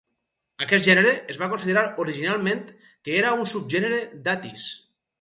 Aquest gènere es va considerar originalment que era un subgènere d'"atys".